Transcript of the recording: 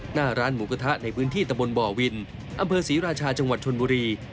หน้าร้านหมูกระทะในพื้นที่ตะบนบ่อวินอำเภอศรีราชาจังหวัดชนบุรี